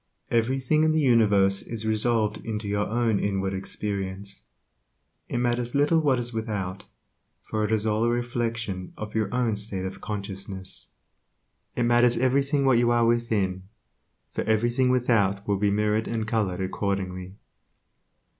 Everything in the universe is resolved into your own inward experience. It matters little what is without, for it is all a reflection of your own state of consciousness. It matters everything what you are within, for everything without will be mirrored and colored accordingly.